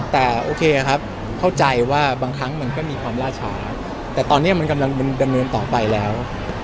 แต่โอเคครับเข้าใจว่าบางครั้งมันก็มีความล่าช้าแต่ตอนนี้มันกำลังดำเนินต่อไปแล้ว